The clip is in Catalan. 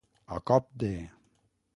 A cop de.